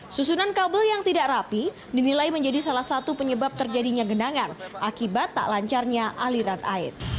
susunan kabel yang tidak rapi dinilai menjadi salah satu penyebab terjadinya genangan akibat tak lancarnya aliran air